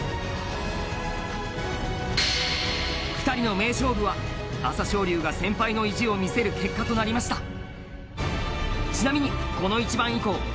２人の名勝負は朝青龍が先輩の意地を見せる結果となりました。